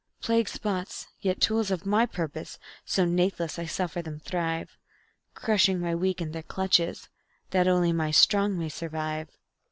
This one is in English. Plague spots, yet tools of my purpose, so natheless I suffer them thrive, Crushing my Weak in their clutches, that only my Strong may survive.